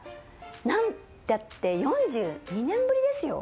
何たって４２年ぶりですよ？